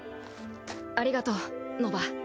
ありがとうノヴァ。